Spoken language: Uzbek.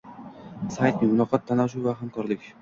“Caitme”: tanishuv, muloqot va hamkorlik